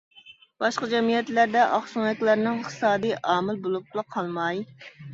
باشقا جەمئىيەتلەردە، ئاقسۆڭەكلەرنىڭ ئىقتىسادىي ئامىل بولۇپلا قالماي.